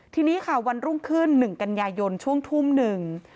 ทีนี้ค่ะวันรุ่งขึ้น๑กันยายนช่วงทุ่มหนึ่ง